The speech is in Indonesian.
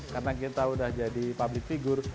karena kita udah jadi public figure